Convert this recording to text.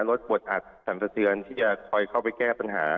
เพื่อปลดอัดสรรพเตือนที่จะคอยเข้าไปแก้ปัญหา